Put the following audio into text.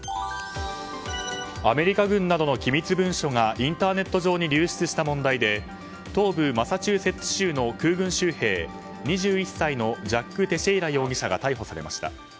アメリカ軍などの機密文書がインターネット上に流出した問題で東部マサチューセッツ州の空軍州兵２１歳のジャック・テシェイラ容疑者が逮捕されました。